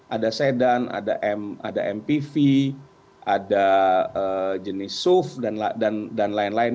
ada sedan ada mpv ada jenis suf dan lain lain